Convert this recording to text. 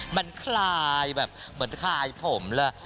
มันคลายแบบเหมือนคลายผมเลย